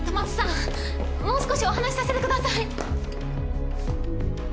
もう少しお話させてください。